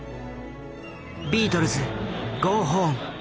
「ビートルズゴーホーム」。